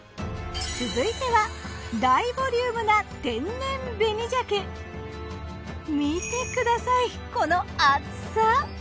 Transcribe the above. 続いては大ボリュームな見てくださいこの厚さ。